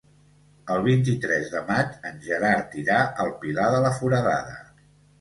El vint-i-tres de maig en Gerard irà al Pilar de la Foradada.